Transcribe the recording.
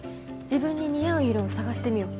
自分に似合う色を探してみよう。